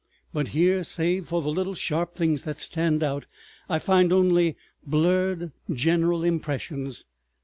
But here, save for the little sharp things that stand out, I find only blurred general impressions.